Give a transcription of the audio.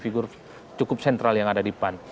figur cukup sentral yang ada di pan